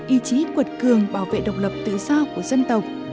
ý chí cuột cường bảo vệ độc lập tự do của dân tộc